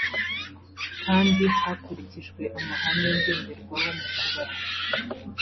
kandi hakurikijwe amahame ngenderwaho mu kubara